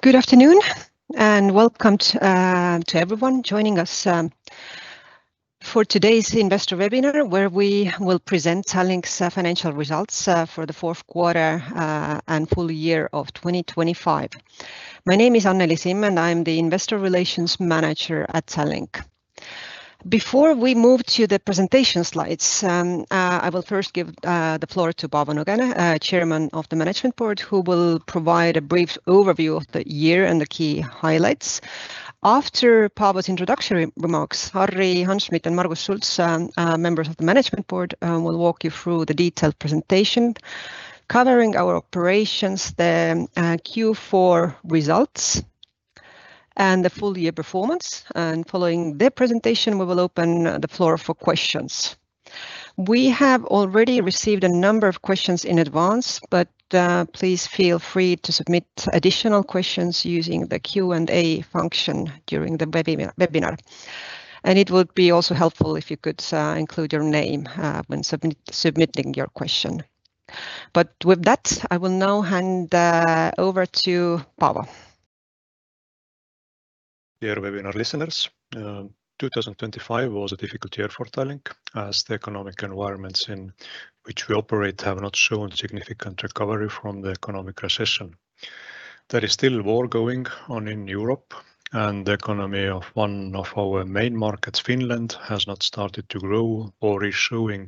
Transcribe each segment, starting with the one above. Good afternoon, and welcome to everyone joining us for today's investor webinar, where we will present Tallink's financial results for the fourth quarter and full year of 2025. My name is Anneli Simm, and I'm the Investor Relations Manager at Tallink. Before we move to the presentation slides, I will first give the floor to Paavo Nõgene, Chairman of the Management Board, who will provide a brief overview of the year and the key highlights. After Paavo's introductory remarks, Harri Hanschmidt and Margus Schults, Members of the Management Board, will walk you through the detailed presentation, covering our operations, the Q4 results, and the full year performance. Following their presentation, we will open the floor for questions. We have already received a number of questions in advance, but please feel free to submit additional questions using the Q&A function during the webinar. It would be also helpful if you could include your name when submitting your question. With that, I will now hand over to Paavo. Dear webinar listeners, 2025 was a difficult year for Tallink, as the economic environments in which we operate have not shown significant recovery from the economic recession. There is still war going on in Europe, and the economy of one of our main markets, Finland, has not started to grow or is showing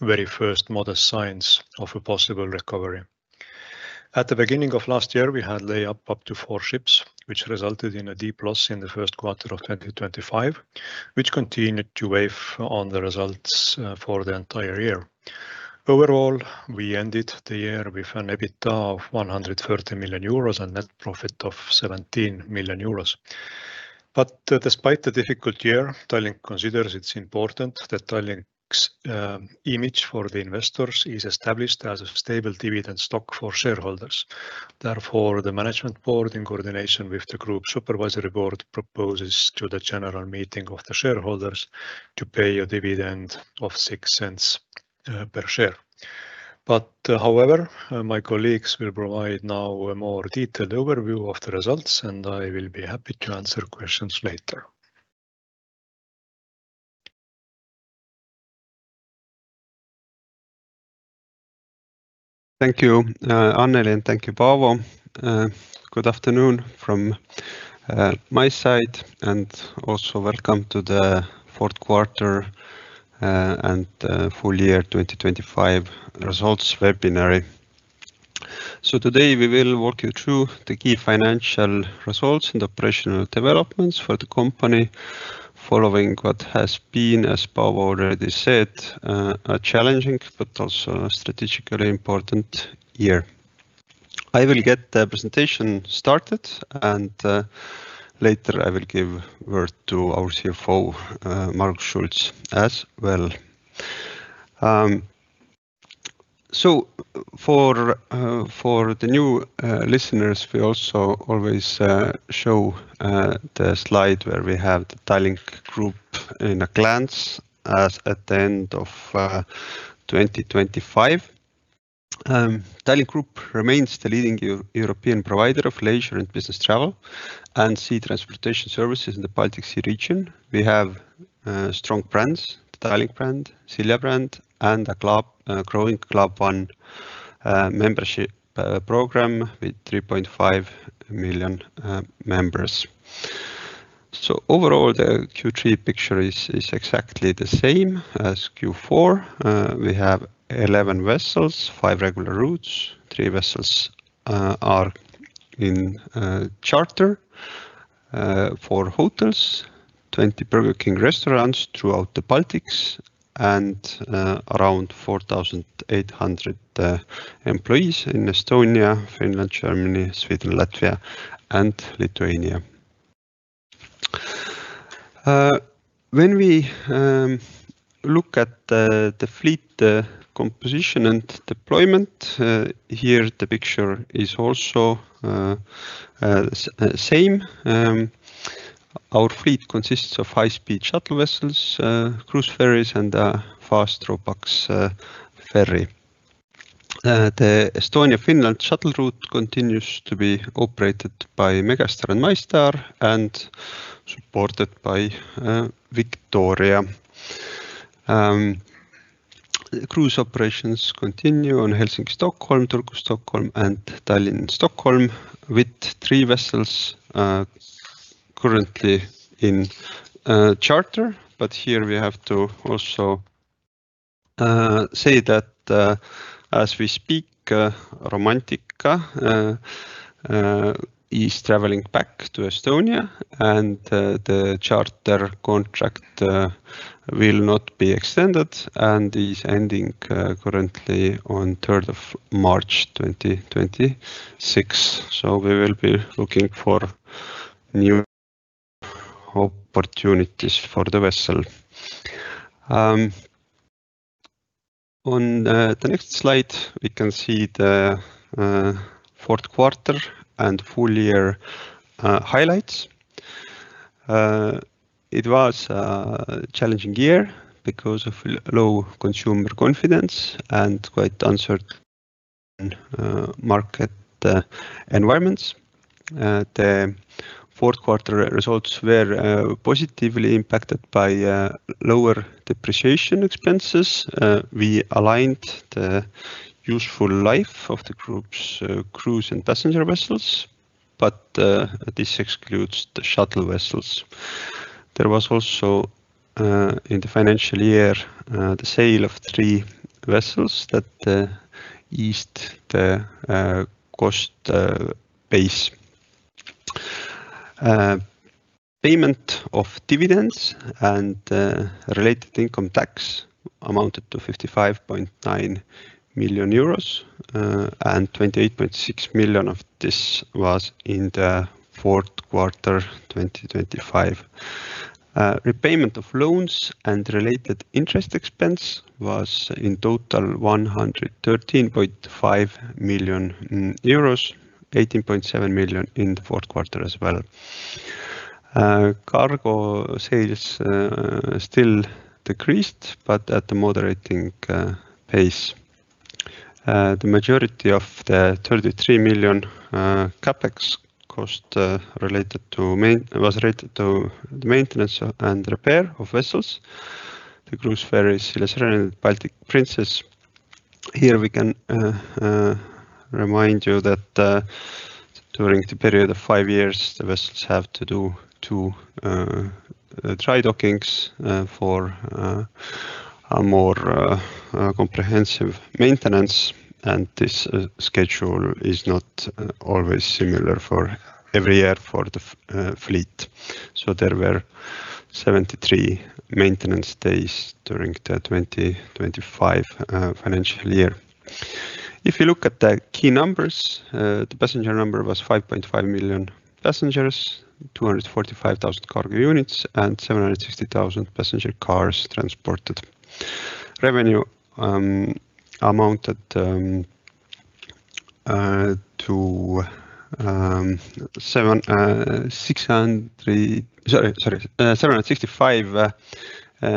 very first modest signs of a possible recovery. At the beginning of last year, we had lay up up to four ships, which resulted in a deep loss in the first quarter of 2025, which continued to weigh on the results for the entire year. Overall, we ended the year with an EBITDA of 130 million euros and net profit of 17 million euros. Despite the difficult year, Tallink considers it's important that Tallink's image for the investors is established as a stable dividend stock for shareholders. Therefore, the Management Board, in coordination with the Group Supervisory Board, proposes to the General Meeting of the Shareholders to pay a dividend of 0.06 per share. However, my colleagues will provide now a more detailed overview of the results, and I will be happy to answer questions later. Thank you, Anneli, and thank you, Paavo. Good afternoon from my side, and also welcome to the fourth quarter and full year 2025 results webinar. Today, we will walk you through the key financial results and operational developments for the company, following what has been, as Paavo already said, a challenging but also strategically important year. I will get the presentation started, and later, I will give word to our CFO, Margus Schults, as well. For the new listeners, we also always show the slide where we have the Tallink Grupp in a glance as at the end of 2025. Tallink Grupp remains the leading European provider of leisure and business travel and sea transportation services in the Baltic Sea region. We have strong brands, Tallink brand, Silja brand, and a club, a growing Club One membership program with 3.5 million members. Overall, the Q3 picture is exactly the same as Q4. We have 11 vessels, 5 regular routes, 3 vessels are in charter, 4 hotels, 20 Burger King restaurants throughout the Baltics, and around 4,800 employees in Estonia, Finland, Germany, Sweden, Latvia, and Lithuania. When we look at the fleet composition and deployment here, the picture is also same. Our fleet consists of high-speed shuttle vessels, cruise ferries, and a fast Ro-Pax ferry. The Estonia-Finland shuttle route continues to be operated by Megastar and MyStar, and supported by Victoria. Cruise operations continue on Helsinki-Stockholm, Turku-Stockholm, and Tallinn-Stockholm, with three vessels currently in charter. Here we have to also say that, as we speak, Romantika is traveling back to Estonia, and the charter contract will not be extended and is ending currently on third of March, 2026. We will be looking for new opportunities for the vessel. On the next slide, we can see the fourth quarter and full year highlights. It was a challenging year because of low consumer confidence and quite uncertain market environments. The fourth quarter results were positively impacted by lower depreciation expenses. We aligned the useful life of the group's cruise and passenger vessels, but this excludes the shuttle vessels. There was also in the financial year the sale of three vessels that eased the cost base. Payment of dividends and related income tax amounted to 55.9 million euros, and 28.6 million of this was in the fourth quarter 2025. Repayment of loans and related interest expense was in total 113.5 million euros, 18.7 million in the fourth quarter as well. Cargo sales still decreased, but at a moderating pace. The majority of the 33 million CapEx cost was related to the maintenance and repair of vessels, the cruise ferries Silja Serenade and Baltic Princess. Here we can remind you that during the period of five years, the vessels have to do two dry dockings for a more comprehensive maintenance, and this schedule is not always similar for every year for the fleet. There were 73 maintenance days during the 2025 financial year. If you look at the key numbers, the passenger number was 5.5 million passengers, 245,000 cargo units, and 760,000 passenger cars transported. Revenue amounted to 765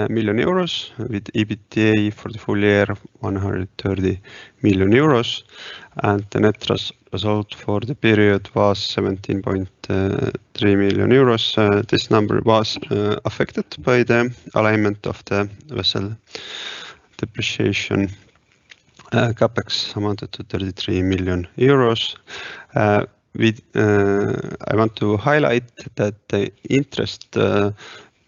million euros, with EBITDA for the full year 130 million euros, and the net result for the period was 17.3 million euros. This number was affected by the alignment of the vessel depreciation. CapEx amounted to EUR 33 million. I want to highlight that the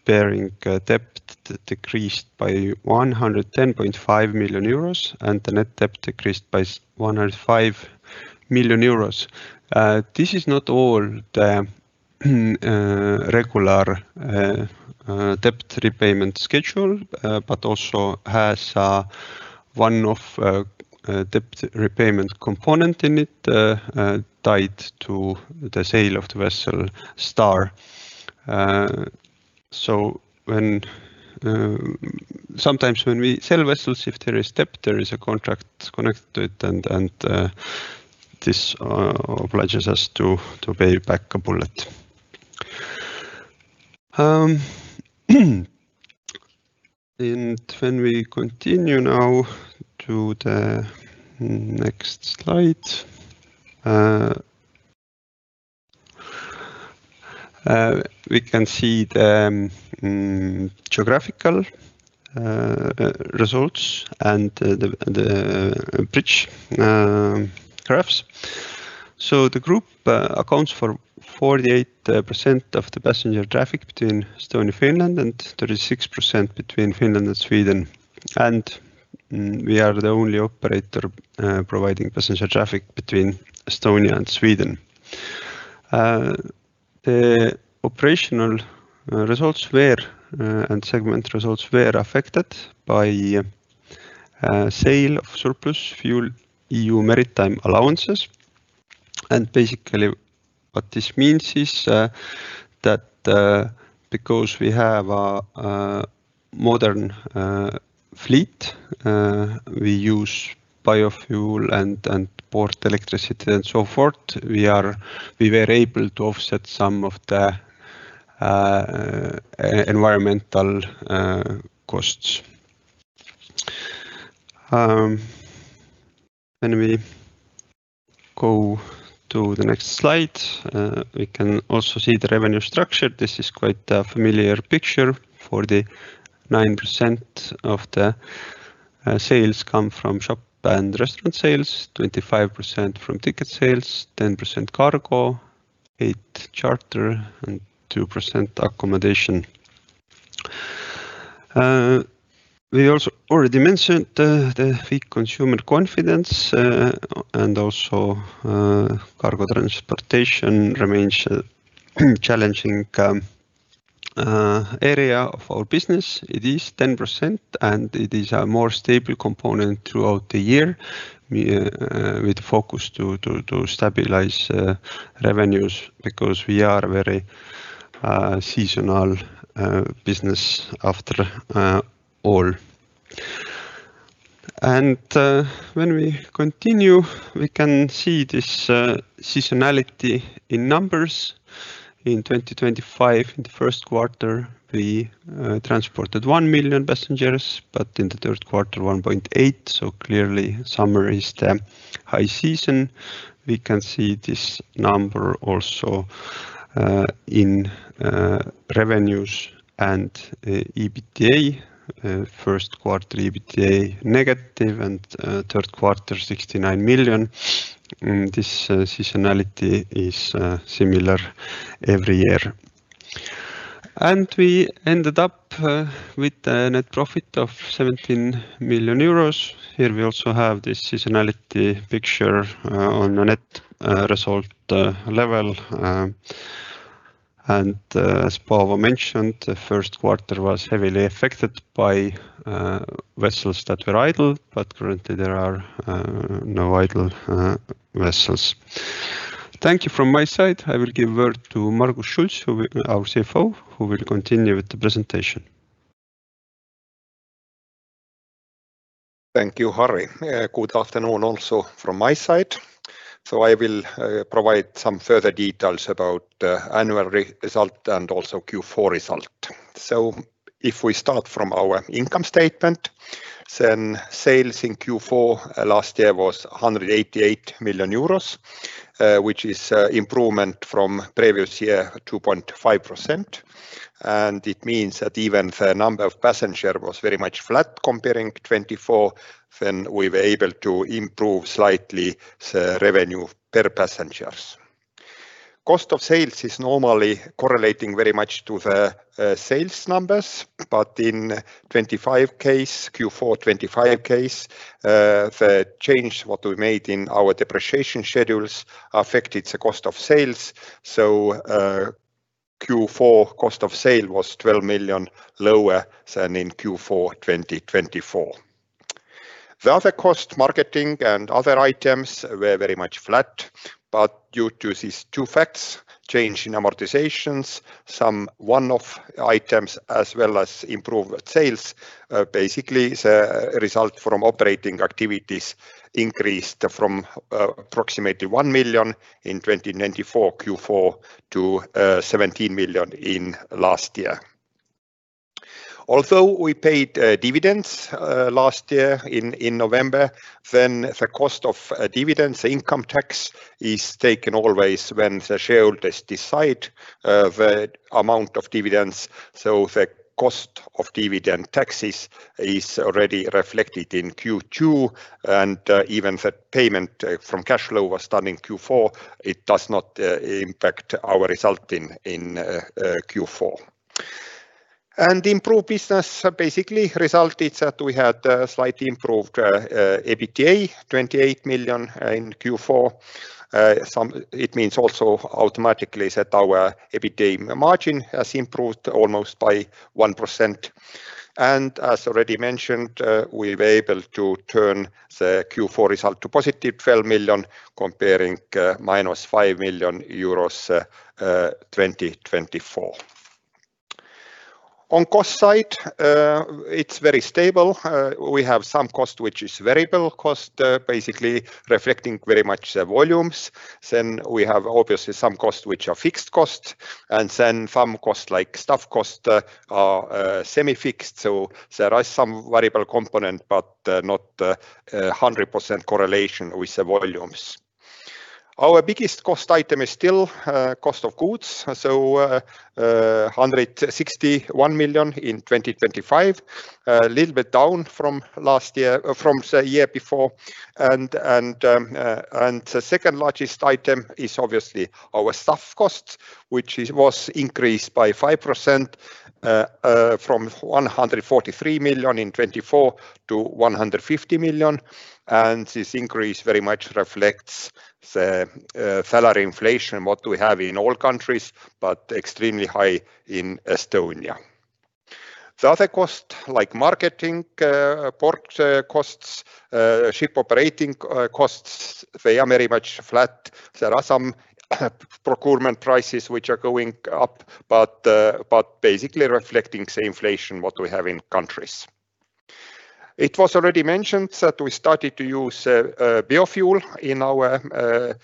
interest-bearing debt decreased by 110.5 million euros, and the net debt decreased by 105 million euros. This is not all the regular debt repayment schedule but also has one of debt repayment component in it tied to the sale of the vessel, Star. Sometimes when we sell vessels, if there is debt, there is a contract connected to it, and this obliges us to pay back a bullet. When we continue now to the next slide, we can see the geographical results and the bridge graphs. The group accounts for 48% of the passenger traffic between Estonia and Finland and 36% between Finland and Sweden. We are the only operator providing passenger traffic between Estonia and Sweden. The operational results and segment results were affected by sale of surplus FuelEU Maritime allowances. Basically, what this means is that because we have a modern fleet, we use biofuel and port electricity and so forth, we were able to offset some of the environmental costs. When we go to the next slide, we can also see the revenue structure. This is quite a familiar picture. 49% of the sales come from shop and restaurant sales, 25% from ticket sales, 10% cargo, 8 charter, and 2% accommodation. We also already mentioned the weak consumer confidence and also cargo transportation remains a challenging area of our business. It is 10%, and it is a more stable component throughout the year. We with focus to stabilize revenues because we are very seasonal business after all. When we continue, we can see this seasonality in numbers. In 2025, in the first quarter, we transported 1 million passengers, but in the third quarter, 1.8. Clearly, summer is the high season. We can see this number also in revenues and EBITDA. First quarter EBITDA negative and third quarter, 69 million. This seasonality is similar every year. We ended up with a net profit of 17 million euros. Here we also have this seasonality picture on a net result level. As Paavo mentioned, the first quarter was heavily affected by vessels that were idle, but currently there are no idle vessels. Thank you from my side. I will give word to Margus Schults, our CFO, who will continue with the presentation. Thank you, Harri. Good afternoon also from my side. I will provide some further details about the annual result and also Q4 result. If we start from our income statement, then sales in Q4 last year was 188 million euros, which is an improvement from previous year, 2.5%. It means that even the number of passenger was very much flat comparing 2024, then we were able to improve slightly the revenue per passengers. Cost of sales is normally correlating very much to the sales numbers, but in 2025 case, Q4 2025 case, the change what we made in our depreciation schedules affected the cost of sales. Q4 cost of sale was 12 million lower than in Q4 2024. The other cost, marketing and other items, were very much flat, but due to these two facts, change in amortizations, some one-off items, as well as improved sales, basically, the result from operating activities increased from approximately 1 million in 2024 Q4 to 17 million in last year. Although we paid dividends last year in November, then the cost of dividends, the income tax is taken always when the shareholders decide the amount of dividends. The cost of dividend taxes is already reflected in Q2, and even the payment from cash flow was done in Q4, it does not impact our result in Q4. Improved business basically resulted that we had slightly improved EBITDA, 28 million in Q4. It means also automatically that our EBITDA margin has improved almost by 1%. As already mentioned, we were able to turn the Q4 result to +12 million, comparing -5 million euros 2024. On cost side, it's very stable. We have some cost, which is variable cost, basically reflecting very much the volumes. We have obviously some costs which are fixed costs, and then some costs, like staff cost, are semi-fixed, so there are some variable component, but not 100% correlation with the volumes. Our biggest cost item is still cost of goods, so 161 million in 2025, a little bit down from last year from the year before. The second largest item is obviously our staff costs, which was increased by 5% from 143 million in 2024 to 150 million, and this increase very much reflects the salary inflation, what we have in all countries, but extremely high in Estonia. The other cost, like marketing, port costs, ship operating costs, they are very much flat. There are some procurement prices which are going up, but basically reflecting the inflation, what we have in countries. It was already mentioned that we started to use biofuel in our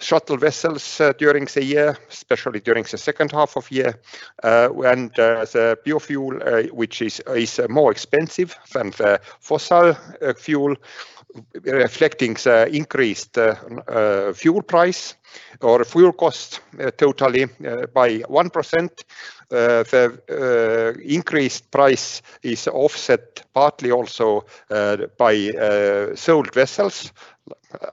shuttle vessels during the year, especially during the second half of year. The biofuel, which is, is more expensive than the fossil fuel, reflecting the increased fuel price or fuel cost, totally by 1%. The increased price is offset partly also by sold vessels.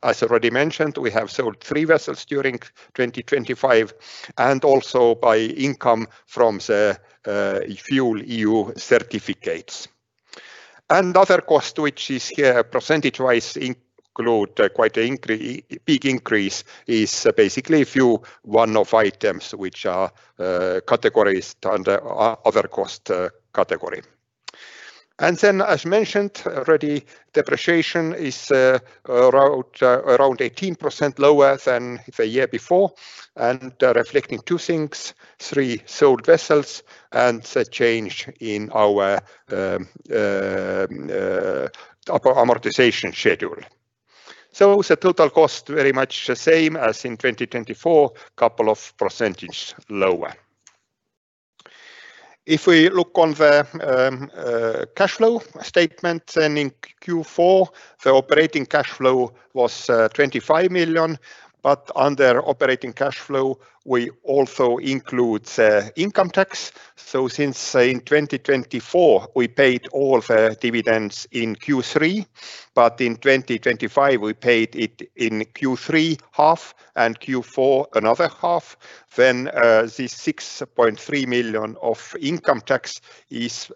As already mentioned, we have sold three vessels during 2025, and also by income from the FuelEU certificates. Other cost, which is here percentage-wise, include quite a big increase, is basically a few one-off items, which are categories under other cost category. As mentioned already, depreciation is around, around 18% lower than the year before, and reflecting two things: three sold vessels and the change in our amortization schedule. The total cost very much the same as in 2024, couple of percentage lower. If we look on the cash flow statement, then in Q4, the operating cash flow was 25 million, but under operating cash flow, we also include income tax. Since in 2024, we paid all the dividends in Q3, but in 2025, we paid it in Q3 half and Q4 another half, then this 6.3 million of income tax is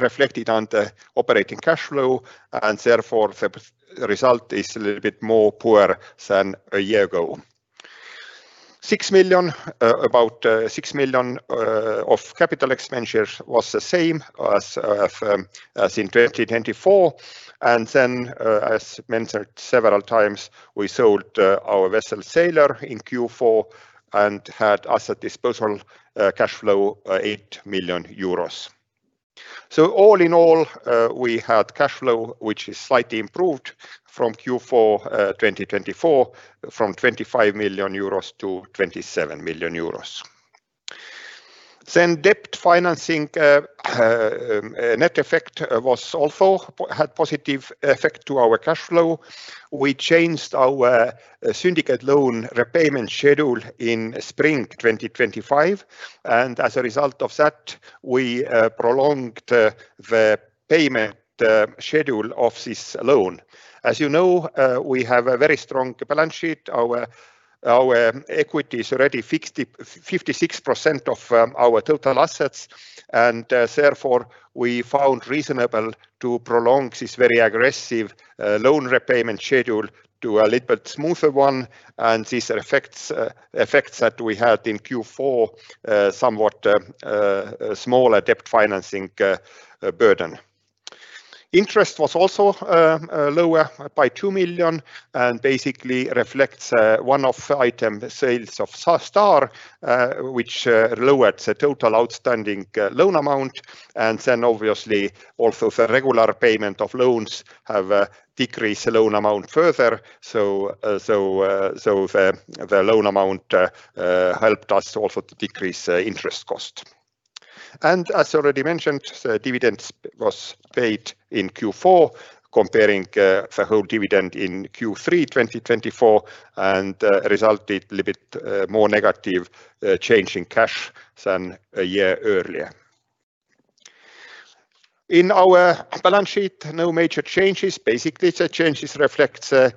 reflected on the operating cash flow, and therefore, the result is a little bit more poorer than a year ago. 6 million, about 6 million of capital expenditures was the same as in 2024. Then, as mentioned several times, we sold our vessel, Sailor, in Q4 and had asset disposal cash flow 8 million euros. All in all, we had cash flow, which is slightly improved from Q4 2024, from 25 million euros to 27 million euros. Debt financing net effect was also had positive effect to our cash flow. We changed our syndicate loan repayment schedule in spring 2025, and as a result of that, we prolonged the payment schedule of this loan. As you know, we have a very strong balance sheet. Our equity is already fixed at 56% of our total assets, and therefore, we found reasonable to prolong this very aggressive loan repayment schedule to a little bit smoother one, and these effects that we had in Q4 somewhat smaller debt financing burden. Interest was also lower by 2 million and basically reflects one-off item sales of Star, which lowered the total outstanding loan amount. Then obviously, also the regular payment of loans have decreased the loan amount further. The loan amount helped us also to decrease interest cost. As already mentioned, the dividends was paid in Q4, comparing the whole dividend in Q3 2024, and resulted a little bit more negative change in cash than a year earlier. In our balance sheet, no major changes. Basically, the changes reflects a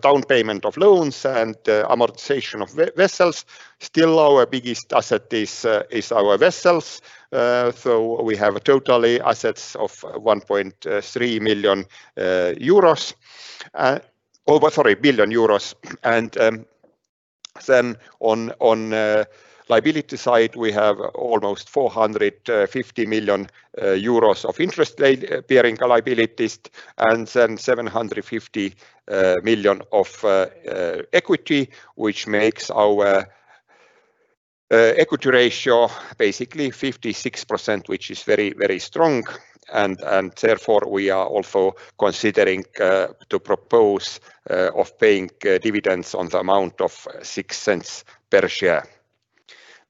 down payment of loans and amortization of vessels. Still, our biggest asset is our vessels. We have totally assets of 1.3 million euros. Oh, sorry, billion euros. Then on liability side, we have almost 450 million euros of interest-bearing liabilities and then 750 million of equity, which makes our equity ratio basically 56%, which is very, very strong. Therefore, we are also considering to propose of paying dividends on the amount of 0.06 per share.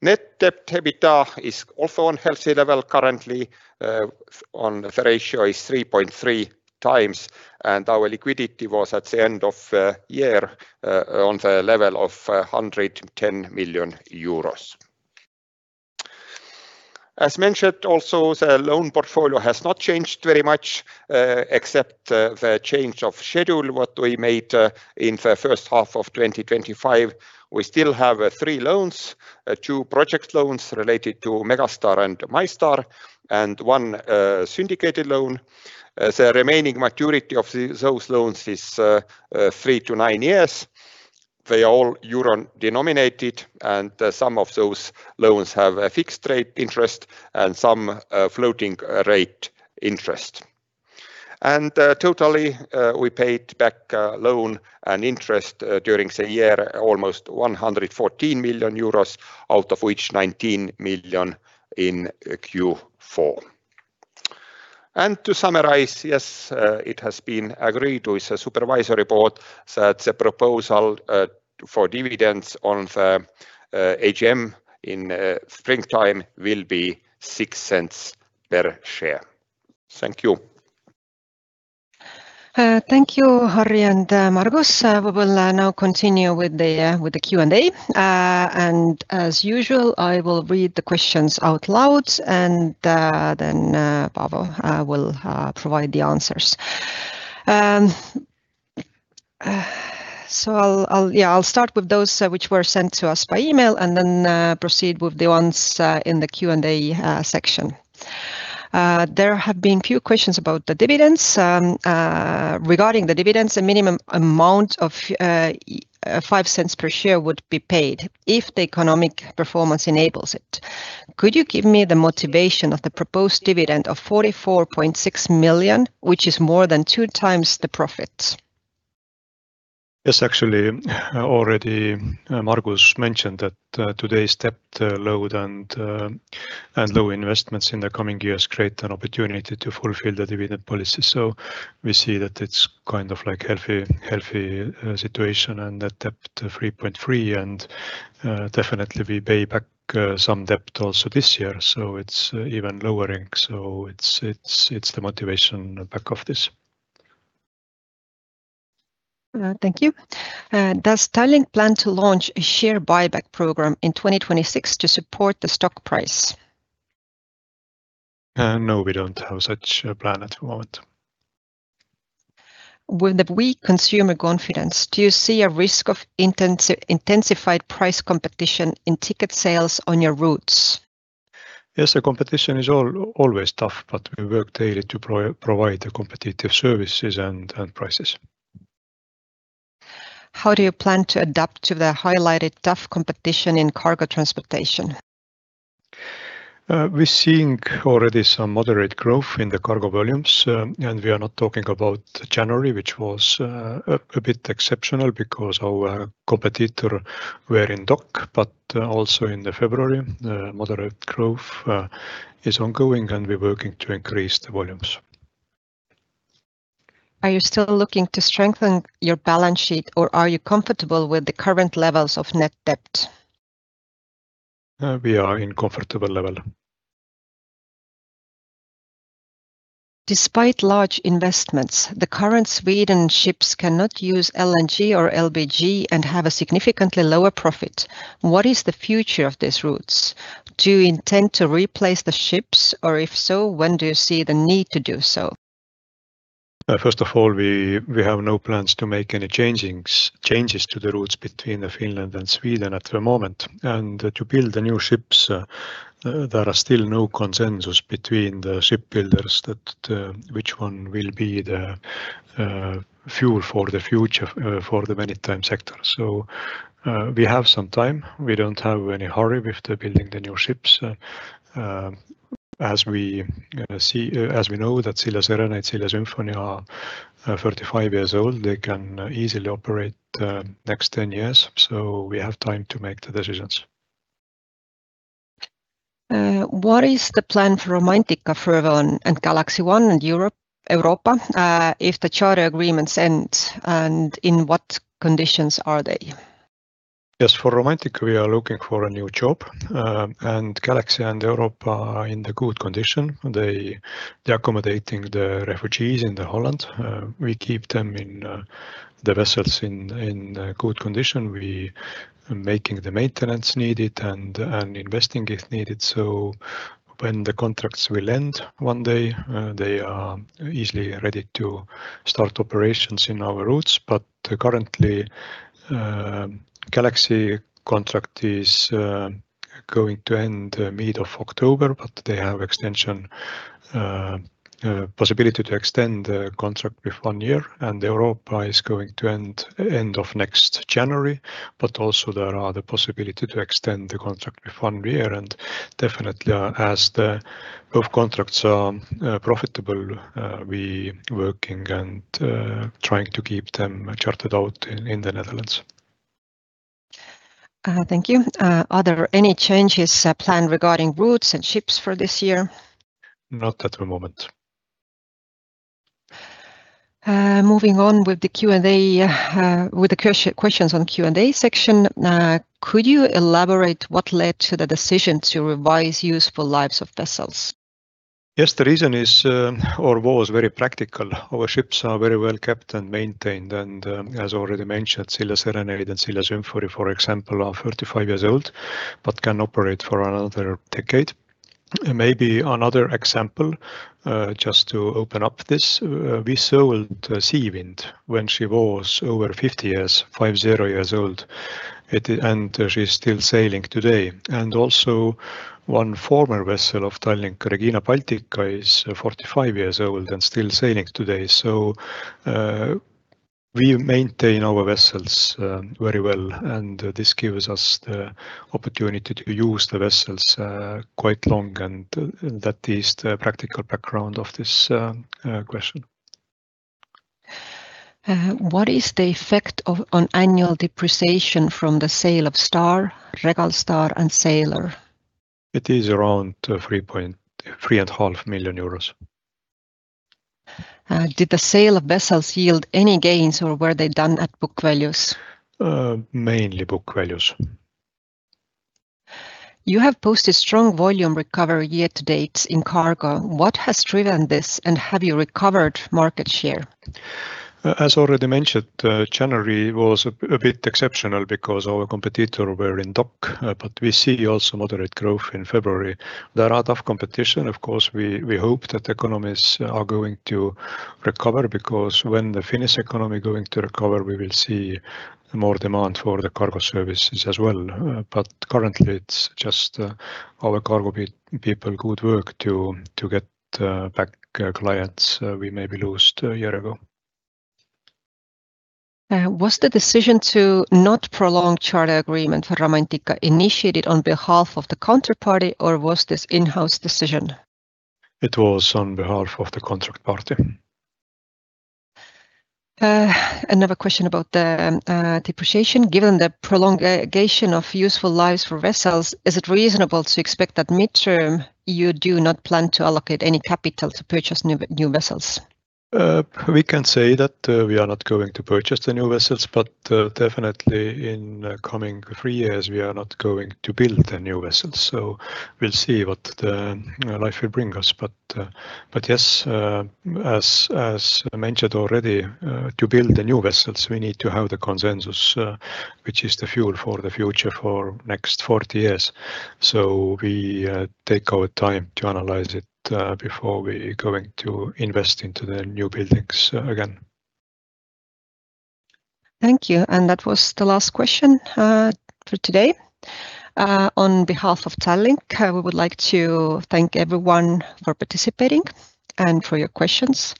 Net Debt/EBITDA is also on healthy level currently, the ratio is 3.3x, and our liquidity was, at the end of year, on the level of 110 million euros. As mentioned, also, the loan portfolio has not changed very much, except the change of schedule what we made in the first half of 2025. We still have three loans, two project loans related to Megastar and MyStar, and one syndicated loan. The remaining maturity of those loans is 3-9 years. They are all euro-denominated, and some of those loans have a fixed-rate interest and some floating-rate interest. Totally, we paid back loan and interest during the year, almost 114 million euros, out of which 19 million in Q4. To summarize, yes, it has been agreed with the Supervisory Board that the proposal for dividends on the AGM in springtime will be 0.06 per share. Thank you. Thank you, Harri and Margus. We will now continue with the Q&A. As usual, I will read the questions out loud, and then Paavo will provide the answers. I'll start with those which were sent to us by email and then proceed with the ones in the Q&A section. There have been few questions about the dividends. "Regarding the dividends, a minimum amount of 0.05 per share would be paid if the economic performance enables it. Could you give me the motivation of the proposed dividend of 44.6 million, which is more than two times the profits? Yes, actually, already Margus mentioned that today's debt load and low investments in the coming years create an opportunity to fulfill the dividend policy. We see that it's kind of like healthy situation, and that debt 3.3, and definitely we pay back some debt also this year, so it's even lowering. It's the motivation back of this. Thank you. Does Tallink plan to launch a share buyback program in 2026 to support the stock price? No, we don't have such a plan at the moment. With the weak consumer confidence, do you see a risk of intensified price competition in ticket sales on your routes? Yes, the competition is always tough, but we work daily to provide competitive services and prices. How do you plan to adapt to the highlighted tough competition in cargo transportation? We're seeing already some moderate growth in the cargo volumes, and we are not talking about January, which was a bit exceptional because our competitor were in dock, but also in the February, the moderate growth is ongoing, and we're working to increase the volumes. Are you still looking to strengthen your balance sheet, or are you comfortable with the current levels of net debt? We are in comfortable level. Despite large investments, the current Sweden ships cannot use LNG or LBG and have a significantly lower profit. What is the future of these routes? Do you intend to replace the ships, or if so, when do you see the need to do so? First of all, we have no plans to make any changes to the routes between Finland and Sweden at the moment. To build the new ships, there are still no consensus between the shipbuilders that which one will be the fuel for the future for the maritime sector. We have some time. We don't have any hurry with the building the new ships. As we see, as we know, that Silja Serenade and Silja Symphony are 45 years old, they can easily operate next 10 years, so we have time to make the decisions. What is the plan for Romantika, Isabelle, and Galaxy and Silja Europa if the charter agreements end, and in what conditions are they? Yes, for Romantika, we are looking for a new job. Galaxy and Europa are in the good condition. They're accommodating the refugees in the Holland. We keep them in the vessels in good condition. We making the maintenance needed and investing if needed. When the contracts will end one day, they are easily ready to start operations in our routes. Currently, Galaxy contract is going to end mid of October, but they have extension possibility to extend the contract with one year, and Europa is going to end end of next January, but also there are the possibility to extend the contract with one year. Definitely, as the both contracts are profitable, we working and trying to keep them chartered out in the Netherlands. Thank you. Are there any changes planned regarding routes and ships for this year? Not at the moment. Moving on with the Q&A, with the questions on the Q&A section, could you elaborate what led to the decision to revise useful lives of vessels? Yes, the reason is or was very practical. Our ships are very well kept and maintained, and as already mentioned, Silja Serenade and Silja Symphony, for example, are 45 years old, but can operate for another decade. Maybe another example, just to open up this, we sold Seawind when she was over 50 years, 50 years old, and she's still sailing today. Also, one former vessel of Tallink, Regina Baltica, is 45 years old and still sailing today. We maintain our vessels very well, and this gives us the opportunity to use the vessels quite long, and that is the practical background of this question. What is the effect on annual depreciation from the sale of Star, Regal Star, and Sailor? It is around 3.5 million euros. Did the sale of vessels yield any gains, or were they done at book values? Mainly book values. You have posted strong volume recovery year-to-date in cargo. What has driven this, and have you recovered market share? As already mentioned, January was a bit exceptional because our competitor were in dock, but we see also moderate growth in February. There are tough competition. Of course, we hope that economies are going to recover, because when the Finnish economy going to recover, we will see more demand for the cargo services as well. Currently, it's just our cargo people good work to get back clients we maybe lost a year ago. Was the decision to not prolong charter agreement for Romantika initiated on behalf of the counterparty, or was this in-house decision? It was on behalf of the contract party. Another question about the depreciation. Given the prolongation of useful lives for vessels, is it reasonable to expect that mid-term you do not plan to allocate any capital to purchase new vessels? We can say that we are not going to purchase the new vessels, but definitely in coming three years, we are not going to build the new vessels. We'll see what life will bring us. Yes, as I mentioned already, to build the new vessels, we need to have the consensus, which is the fuel for the future for next 40 years. We take our time to analyze it before we going to invest into the new buildings again. Thank you, and that was the last question for today. On behalf of Tallink, we would like to thank everyone for participating and for your questions.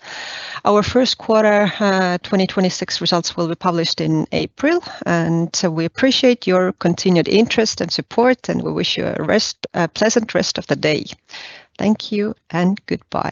Our first quarter 2026 results will be published in April, and we appreciate your continued interest and support, and we wish you a pleasant rest of the day. Thank you and goodbye.